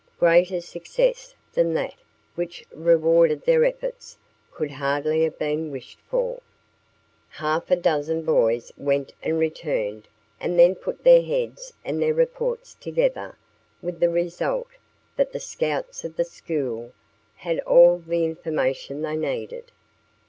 Greater success than that which rewarded their efforts could hardly have been wished for. Half a dozen boys went and returned and then put their heads and their reports together with the result that the Scouts of the school had all the information they needed.